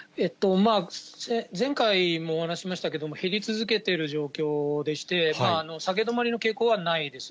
前回もお話しましたけれども、減り続けている状況でして、下げ止まりの傾向はないです。